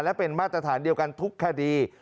และเป็นมาตรฐานเดียวกันทุกคดี